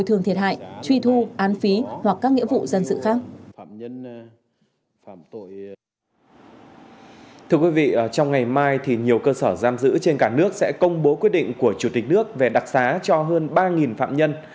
thưa quý vị trong ngày mai thì nhiều cơ sở giam giữ trên cả nước sẽ công bố quyết định của chủ tịch nước về đặc xá cho hơn ba phạm nhân